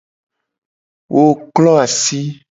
Wo klo asi.